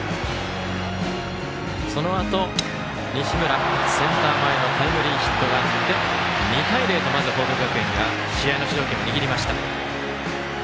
そのあと、西村センター前のタイムリーヒットがあって２対０と、まず報徳学園が試合の主導権を握りました。